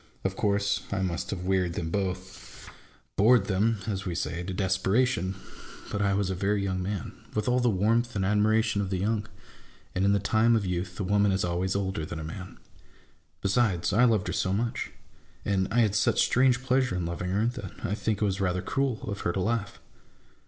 Of course, I must have wearied them both, bored MY ENEMY AND MYSELF. 65 them (as we say) to desperation ; but I was a very young man, with all the warmth and admiration of the young ; and in the time of youth, a woman is always older than a man. Besides, I loved her so much, and I had such strange pleasure in loving her, that I think it was rather cruel of her to laugh.